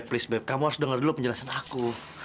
ibu tolong ibu kamu harus dengar dulu penjelasan aku